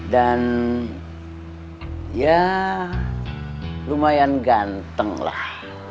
dan ya lumayan gantenglah